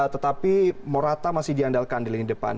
tetapi morata masih diandalkan di lini depan